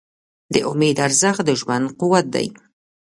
د امید ارزښت د ژوند قوت دی.